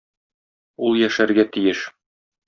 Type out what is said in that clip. Ул яшәргә тиеш.